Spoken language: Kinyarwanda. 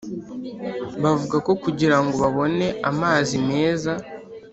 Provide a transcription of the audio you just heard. Bavuga ko kugira ngo babone amazi meza